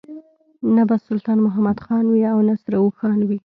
نه به سلطان محمد خان وي او نه سره اوښان وي.